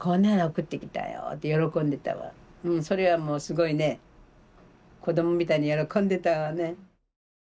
それはもうすごいね子どもみたいに喜んでたわね。